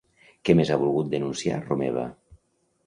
Què més ha volgut denunciar Romeva?